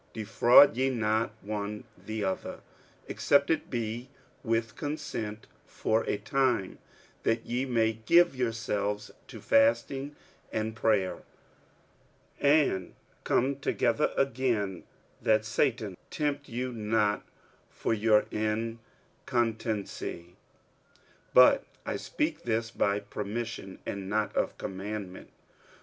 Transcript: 46:007:005 Defraud ye not one the other, except it be with consent for a time, that ye may give yourselves to fasting and prayer; and come together again, that Satan tempt you not for your incontinency. 46:007:006 But I speak this by permission, and not of commandment.